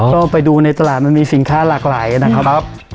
ก็ไปดูในตลาดมันมีสินค้าหลากหลายนะครับ